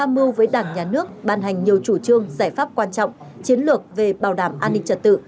mưu với đảng nhà nước ban hành nhiều chủ trương giải pháp quan trọng chiến lược về bảo đảm an ninh trật tự